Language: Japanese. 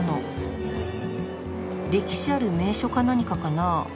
歴史ある名所か何かかな？